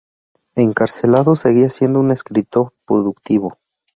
Encarcelado, seguía siendo un escritor productivo.